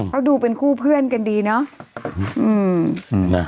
เขาดูเป็นคู่เพื่อนกันดีเนาะ